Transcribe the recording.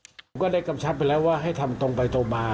ผมก็ได้กำชับไปแล้วว่าให้ทำตรงไปตรงมา